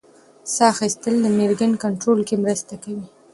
ساه اخیستل د مېګرین کنټرول کې مرسته کوي.